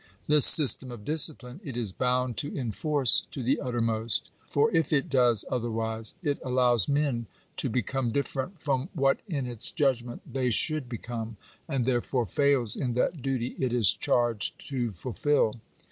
This system of discipline it is bound to enforce to the uttermost. For if it does otherwise, it allows men to become different from what in its judgment they should become, and therefore fails in that duty it is charged to fulfil.